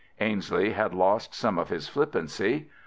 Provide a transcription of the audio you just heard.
Ainslie had lost some of his flippancy.